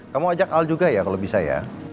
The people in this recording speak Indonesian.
kamu ajak al juga ya kalau bisa ya